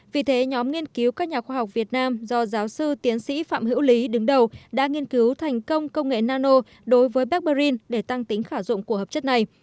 vì thế nhóm nghiên cứu các nhà khoa học việt nam do giáo sư tiến sĩ phạm hữu lý đứng đầu đã nghiên cứu thành công công nghệ nano đối với barbarin để tăng tính khả dụng của hợp chất này